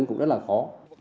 thì người dân cũng rất là khó